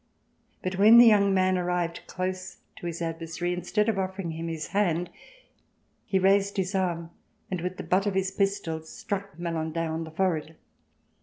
But when the young man arrived close to his adversary, instead of offer ing him his hand, he raised his arm and with the butt of his pistol struck Malandin on the forehead.